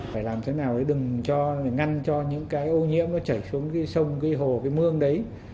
phải làm thế nào để đừng cho ngăn cho những cái ô nhiễm nó chảy xuống cái sông cái hồ cái mương đấy